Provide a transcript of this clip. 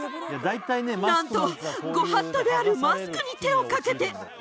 なんと御法度であるマスクに手をかけて。